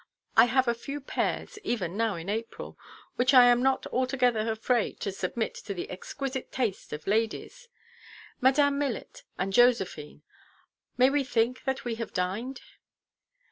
I have a few pears, even now in April, which I am not altogether afraid to submit to the exquisite taste of ladies,—'Madame Milletʼ and 'Josephine.' May we think that we have dined?"